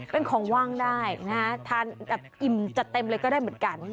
เป็นของว่างได้ทานอิ่มจัดเต็มอะไรก็ได้เหมือนกัน